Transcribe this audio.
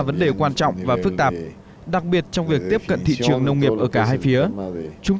vấn đề quan trọng và phức tạp đặc biệt trong việc tiếp cận thị trường nông nghiệp ở cả hai phía trung